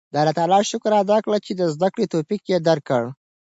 د الله تعالی شکر ادا کړئ چې د زده کړې توفیق یې درکړ.